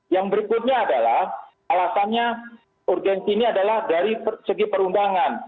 yang berikutnya adalah alasannya urgensi ini adalah dari segi perundangan